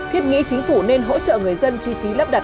thiết nghĩ chính phủ nên hỗ trợ người dân